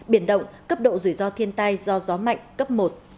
biển động cấp độ rủi ro thiên tai do gió mạnh cấp một